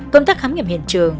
công tác khám nghiệm hiện trường